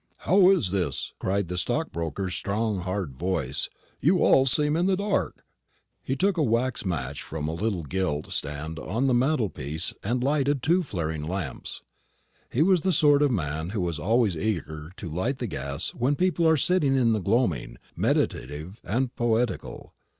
"How's this?" cried the stockbroker's strong hard voice; "you seem all in the dark." He took a wax match from a little gilt stand on the mantelpiece and lighted two flaring lamps. He was the sort of man who is always eager to light the gas when people are sitting in the gloaming, meditative and poetical.